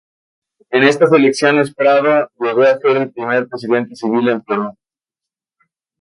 En estas elecciones Prado llego a ser el primer presidente civil del Perú.